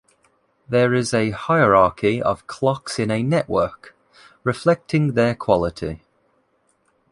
There is a hierarchy of clocks in a network, reflecting their quality.